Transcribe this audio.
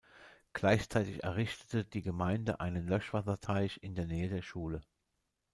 Gleichzeitig errichtete die Gemeinde einen Löschwasserteich in der Nähe der Schule.